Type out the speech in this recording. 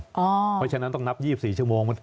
เพราะฉะนั้นต้องนับ๒๔ชั่วโมง